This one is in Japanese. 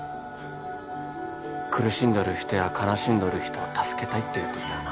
苦しんどる人や悲しんどる人を助けたいって言っとったよな